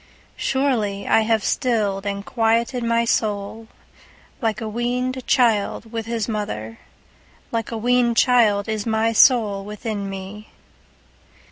131:002 Surely I have stilled and quieted my soul, like a weaned child with his mother, like a weaned child is my soul within me.